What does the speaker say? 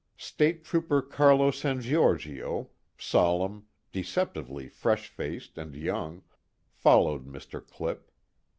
State Trooper Carlo San Giorgio, solemn, deceptively fresh faced and young, followed Mr. Clipp.